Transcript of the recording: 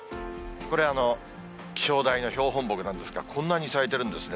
これ、気象台の標本木なんですが、こんなに咲いているんですね。